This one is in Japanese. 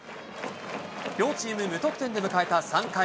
両チーム、無得点で迎えた３回。